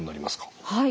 はい。